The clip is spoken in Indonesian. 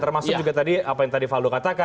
termasuk juga tadi apa yang tadi valdo katakan